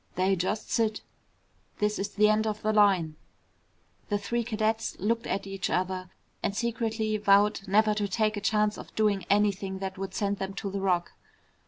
"They just sit. This is the end of the line." The three cadets looked at each other and secretly vowed never to take a chance of doing anything that would send them to the Rock.